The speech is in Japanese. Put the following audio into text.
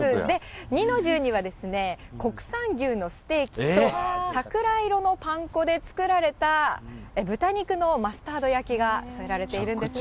二の重には国産牛のステーキと、桜色のパン粉で作られた豚肉のマスタード焼きが添えられているんですね。